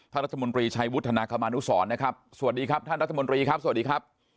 รัฐมนตรีชัยวุฒนาคมานุสรนะครับสวัสดีครับท่านรัฐมนตรีครับสวัสดีครับ